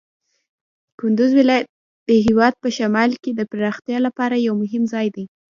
کندز ولایت د هېواد په شمال کې د پراختیا لپاره یو مهم ځای دی.